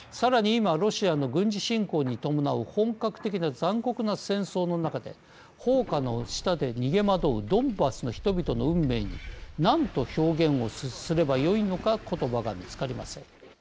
今ロシアの軍事侵攻に伴う本格的な残酷な戦争の中で砲火の下で逃げ惑うドンバスの人々の運命に何と表現をすればよいのか言葉が見つかりません。